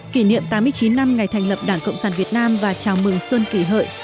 kỷ niệm tám mươi chín năm ngày thành lập đảng cộng sản việt nam và chào mừng xuân kỷ hợi